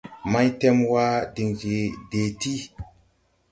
Maytemwa diŋ je dee ti.